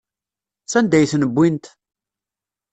Sanda ay ten-wwint?